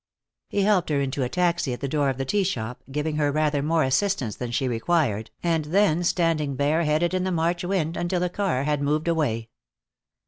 He helped her into a taxi at the door of the tea shop, giving her rather more assistance than she required, and then standing bare headed in the March wind until the car had moved away.